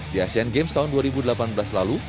di asean games tahun dua ribu delapan belas lalu